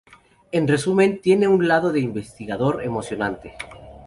En resumen, tiene un lado de investigador emocionante".